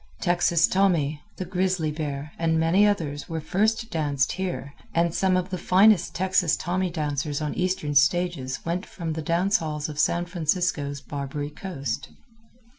Texas Tommy, the Grizzly Bear, and many others were first danced here, and some of the finest Texas Tommy dancers on eastern stages went from the dance halls of San Francisco's Barbary Coast.